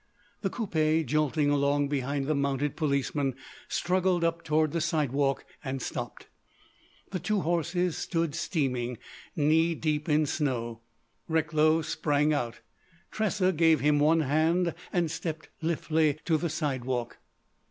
The coupé, jolting along behind the mounted policemen, struggled up toward the sidewalk and stopped. The two horses stood steaming, knee deep in snow. Recklow sprang out; Tressa gave him one hand and stepped lithely to the sidewalk.